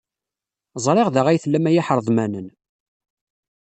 Ẓriɣ da i tellam ay iḥreḍmanen!